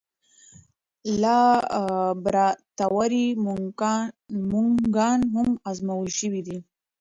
لابراتواري موږکان هم ازمویل شوي دي.